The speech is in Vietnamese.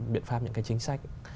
biện pháp những cái chính sách